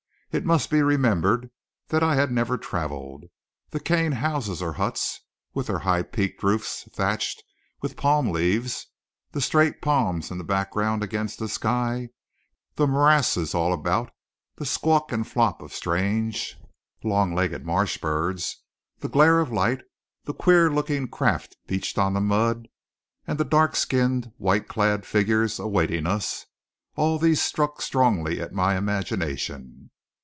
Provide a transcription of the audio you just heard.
It must be remembered that I had never travelled. The cane houses or huts, with their high peaked roofs thatched with palm leaves, the straight palms in the background against the sky, the morasses all about, the squawk and flop of strange, long legged marsh birds, the glare of light, the queer looking craft beached on the mud, and the dark skinned, white clad figures awaiting us all these struck strongly at my imagination.